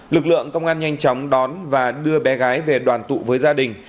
lực lượng công an nhanh chóng đón và đưa bé gái về đoàn tụ với gia đình